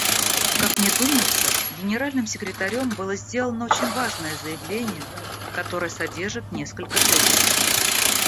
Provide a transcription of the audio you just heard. Как мне думается, Генеральным секретарем было сделано очень важное заявление, которое содержит несколько тезисов.